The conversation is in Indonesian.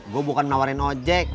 gue bukan nawarin ojek